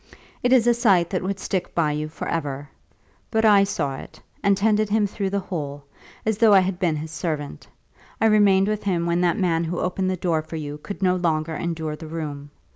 It is a sight that would stick by you for ever. But I saw it, and tended him through the whole, as though I had been his servant. I remained with him when that man who opened the door for you could no longer endure the room.